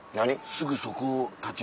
すぐそこ立ち